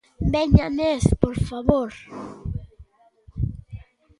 Veña, Ned, por favor.